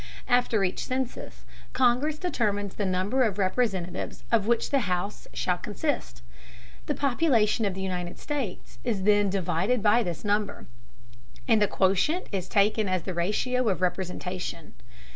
After each census Congress determines the number of Representatives of which the House shall consist. The population of the United States is then divided by this number, and the quotient is taken as the ratio of representation.